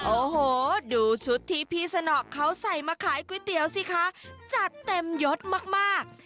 โอ้โหดูชุดที่พี่สนอกเขาใส่มาขายก๋วยเตี๋ยวสิคะจัดเต็มยดมาก